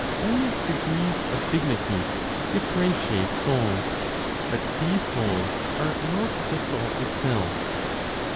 Only degrees of dignity differentiate souls; but these souls are not the Soul itself.